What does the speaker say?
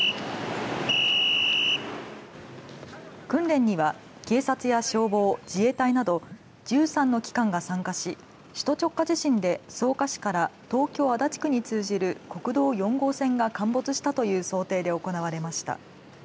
訓練には、警察や消防自衛隊など１３の機関が参加し首都直下地震で草加市から東京、足立区に通じる国道４号線が陥没したという想定で行われました。